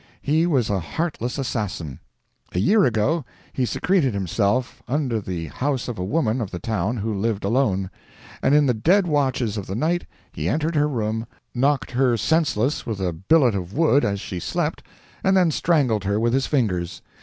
He was a heartless assassin. A year ago, he secreted himself under the house of a woman of the town who lived alone, and in the dead watches of the night, he entered her room, knocked her senseless with a billet of wood as she slept, and then strangled her with his fingers.